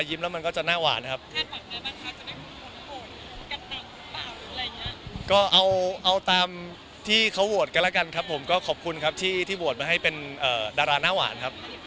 มีเท่าไหร่เปล่าวิ่งให้คนไขม้อย่างนี้อย่างกันเปล่าอีกหรือไง